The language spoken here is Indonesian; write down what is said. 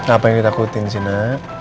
apa yang ditakutin cina